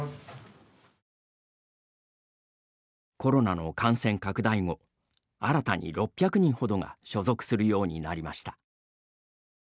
コロナの感染拡大後新たに６００人ほどが所属するようになりました。